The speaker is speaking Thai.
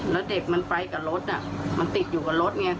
แล้วเด็กมันไปกับรถมันติดอยู่กับรถไง